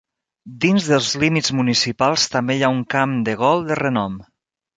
Dins dels límits municipals també hi ha un camp de gol de renom.